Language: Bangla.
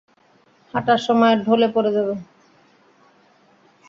হাটার সময় ঢলে পড়ে যাবে।